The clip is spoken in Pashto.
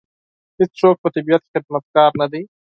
هېڅوک په طبیعت کې خدمتګار نه دی.